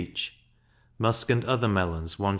each; musk and other melons 1s.